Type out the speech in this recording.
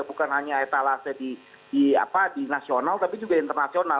bukan hanya etalase di nasional tapi juga internasional